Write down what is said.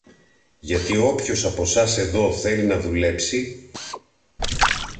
γιατί όποιος από σας εδώ θέλει να δουλέψει